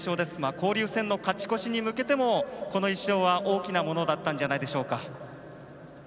交流戦の勝ち越しに向けてもこの１勝は大きなものがあったんじゃないでしょうか。